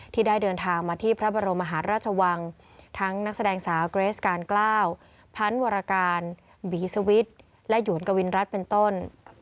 ที่ได้เดินทางมาที่พระบรมมหาราชวังทั้งนักแสดงสาวเกรสการเกล้าพันธุ์วรการบีสวิทย์และหวนกวินรัฐเป็นต้น